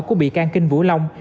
của bị can kinh vũ long